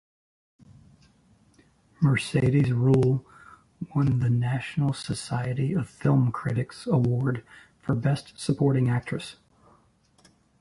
Mercedes Ruehl won the National Society of Film Critics Award for Best Supporting Actress.